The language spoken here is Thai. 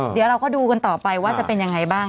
เดี๋ยวเราก็ดูกันต่อไปว่าจะเป็นยังไงบ้าง